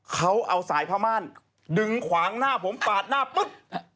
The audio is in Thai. เขาเอาสายผ้าม่านดึงขวางหน้าผมปาดหน้าปุ๊บ